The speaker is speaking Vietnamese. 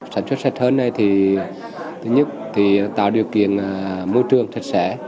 sản xuất sạch hơn này thì thứ nhất thì tạo điều kiện môi trường sạch sẽ